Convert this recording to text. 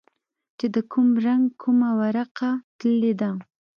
چې د کوم رنگ کومه ورقه تللې ده.